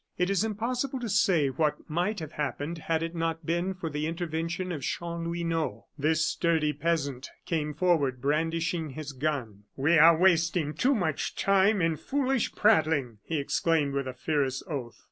It is impossible to say what might have happened had it not been for the intervention of Chanlouineau. This sturdy peasant came forward, brandishing his gun. "We are wasting too much time in foolish prattling," he exclaimed with a fierce oath.